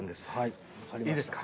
いいですか？